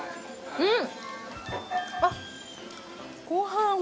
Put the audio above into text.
うん！